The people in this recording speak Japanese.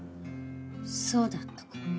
そうであったか。